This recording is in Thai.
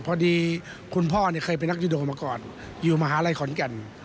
พอดีคุณพ่อเนี่ยเคยเป็นนักวิโดมาก่อนอยู่มหาลัยขอนแก่น